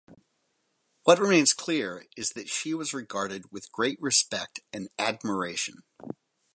What remains clear is that she was regarded with great respect and admiration.